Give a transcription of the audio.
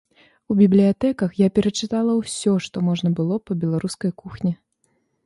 У бібліятэках я перачытала ўсё, што можна было па беларускай кухні.